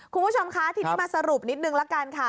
คุณผู้ชมคะทีนี้มาสรุปนิดนึงละกันค่ะ